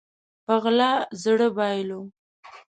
په غلا زړه بايلو